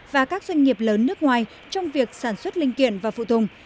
và các doanh nghiệp lớn nước ngoài trong việc sản xuất linh kiện và phụ tùng